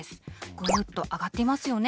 ぐっと上がっていますよね。